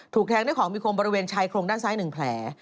ถูกแทงด้วยของมีโคมบริเวณชายโครงด้านสายตัวหนึ่งแผล